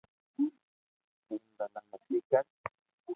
ايم ڀللا متي ڪر